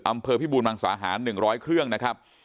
อำเภอพิบูรณ์มังสาหารหนึ่งร้อยเครื่องนะครับ